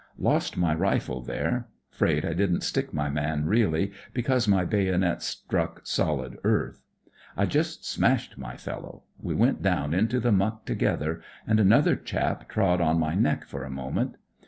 Lost my rifle there. 'Fraid I didn't stick my man, really, because my bayonet struck solid earth. I just smashed my fellow. We went down into the muck together, and another chap trod on my neck for a moment.